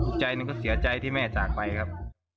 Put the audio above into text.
ใจหนึ่งก็เสียใจที่แม่จากไปครับ